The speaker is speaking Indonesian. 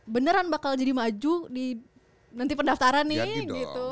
beneran bakal jadi maju di nanti pendaftaran nih gitu